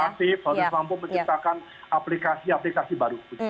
harus inovatif harus mampu menciptakan aplikasi aplikasi baru